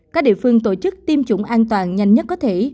các địa phương tổ chức tiêm chủng an toàn nhanh nhất có thể